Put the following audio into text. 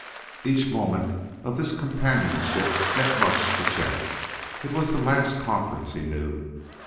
Each moment of this companionship meant much to Chet. It was the last conference, he knew.